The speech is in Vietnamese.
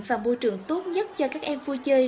và môi trường tốt nhất cho các em vui chơi